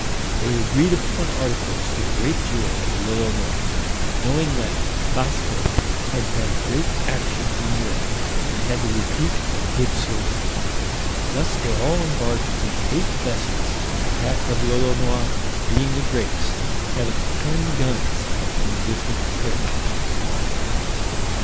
They agreed upon articles to the great joy of Lolonois, knowing that Basco had done great actions in Europe, and had the repute of a good soldier. Thus they all embarked in eight vessels, that of Lolonois being the greatest, having ten guns of indifferent carriage.